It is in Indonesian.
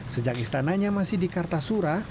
sejak istananya masih di kartasura